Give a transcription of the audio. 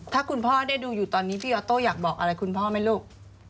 ถ้าคุณพ่อได้ดูอยู่ตอนนี้พี่ออโต้อยากบอกอะไรคุณพ่อไหมลูก